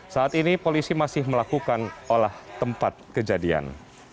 saat ini polisi masih melakukan olah tempat kejadian